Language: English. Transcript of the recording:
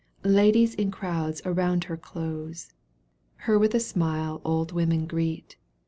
liadies in crowds around her close. Her with a snule old women greet.